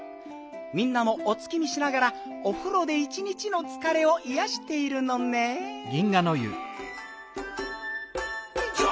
みんなもお月見しながらおふろで一日のつかれをいやしているのねん。